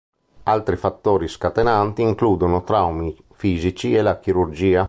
Altri fattori scatenanti includono traumi fisici e la chirurgia.